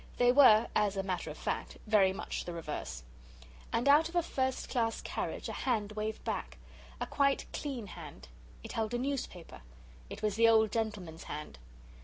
They were, as a matter of fact, very much the reverse. And out of a first class carriage a hand waved back. A quite clean hand. It held a newspaper. It was the old gentleman's hand.